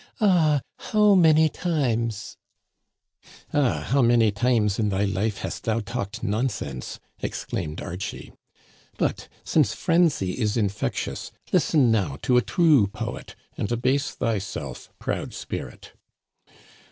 Ah, how many times —"" Ah, how many times in thy life hast thou talked nonsense !" exclaimed Archie. " But, since frenzy is in fectious, listen now to a true poet, and abase thyself, proud spirit.